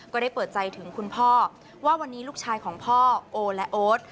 ก็ได้เปิดใจถึงคุณพ่อว่าวันนี้ลูกชายของพ่อโอและโอ๊ต